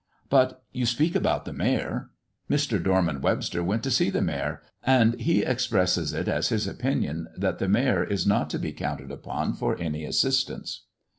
"But you speak about the mayor. Mr. Dorman Webster went to see the mayor, and he expresses it as his opinion that the mayor is not to be counted upon for any assistance."